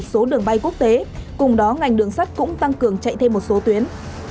số đường bay quốc tế cùng đó ngành đường sắt cũng tăng cường chạy thêm một số tuyến